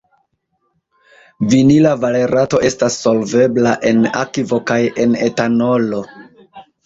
Vinila valerato estas solvebla en akvo kaj en etanolo.